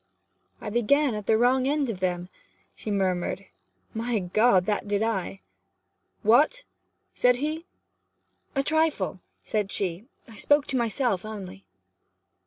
'I began at the wrong end of them,' she murmured. 'My God that did I!' 'What?' said he. 'A trifle,' said she. 'I spoke to myself only.'